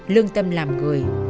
lương tâm làm người